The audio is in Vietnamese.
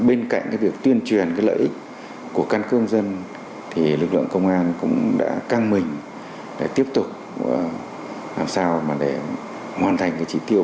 bên cạnh cái việc tuyên truyền cái lợi ích của căn cước dân thì lực lượng công an cũng đã căng mình để tiếp tục làm sao mà để hoàn thành cái chỉ tiêu